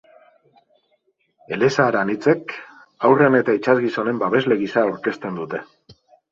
Elezahar anitzek haurren eta itsasgizonen babesle gisa aurkezten dute.